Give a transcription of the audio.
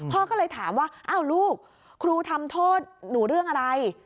พ่อก็เลยถามว่าอ้าวลูกครูทำโทษหนูเรื่องอะไร